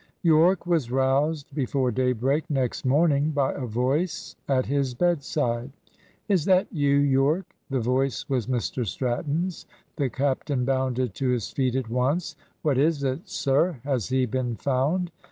Yorke was roused before daybreak next morning by a voice at his bedside. "Is that you, Yorke?" The voice was Mr Stratton's. The captain bounded to his feet at once. "What is it, sir? Has he been found?"